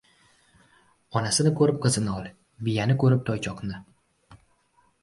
• Onasini ko‘rib qizini ol, biyani ko‘rib ― toychoqni.